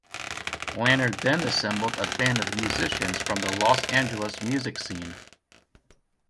Laner then assembled a band of musicians from the Los Angeles music scene.